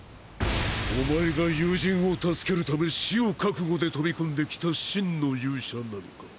お前が友人を助けるため死を覚悟で飛び込んできた真の勇者なのか？